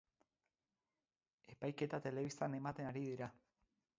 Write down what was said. Epaiketa telebistan ematen ari dira.